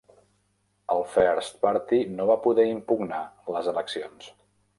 El First Party no va poder impugnar les eleccions.